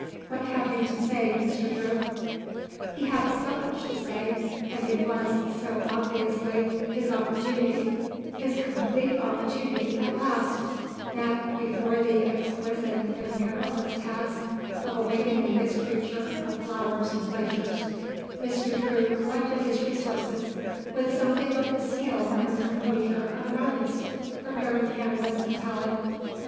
What have you to say, Mr. Drew?" He had so much to say and it was, so obviously, his opportunity, his complete opportunity at last, that, before the exquisite and perilous task of awakening this creature of flowers and glaciers, Mr. Drew collected his resources with something of the skill and composure of an artist preparing canvas and palette.